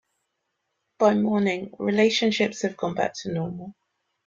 By morning, relationships have gone back to normal.